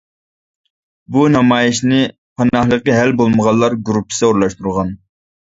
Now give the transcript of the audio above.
بۇ نامايىشنى پاناھلىقى ھەل بولمىغانلار گۇرۇپپىسى ئورۇنلاشتۇرغان.